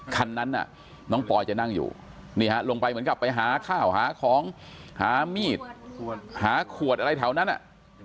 คันนั้นน่ะน้องปอยจะนั่งอยู่นี่ฮะลงไปเหมือนกับไปหาข้าวหาของหามีดหาขวดอะไรแถวนั้นอ่ะ